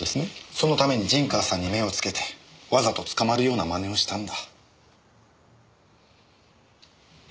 そのために陣川さんに目を付けてわざと捕まるような真似をしたんだ。